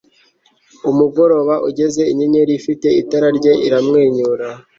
Umugoroba ugeze inyenyeri ifite itara rye iramwenyura